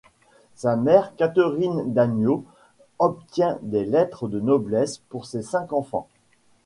Sa mère, Catherine Daniaud, obtient des lettres de noblesse pour ses cinq enfants.